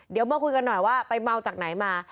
เดี๋ยวมาคุยกันหน่อยว่าไปเมาจากไหนมา